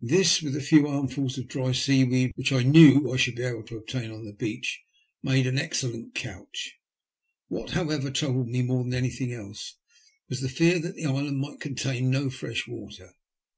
This, with a few armfuls of dry seaweed, which I knew I should be able to obtain on the beach, made an excellent couch. What, however, troubled me more than anything else, was the fear that the island might contain no fresh water.